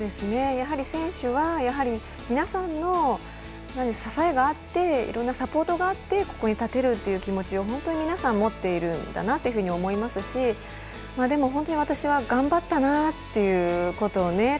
やはり選手は皆さんの支えがあっていろんなサポートがあってここに立てるっていう気持ちを本当に皆さん持っているんだなというふうに思いますしでも、本当に私は頑張ったなということをね